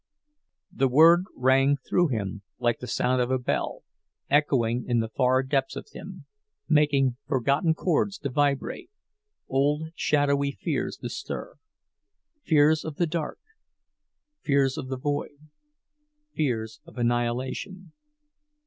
The word rang through him like the sound of a bell, echoing in the far depths of him, making forgotten chords to vibrate, old shadowy fears to stir—fears of the dark, fears of the void, fears of annihilation.